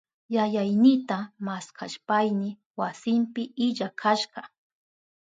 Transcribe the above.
Yayaynita maskashpayni wasinpi illa kashka.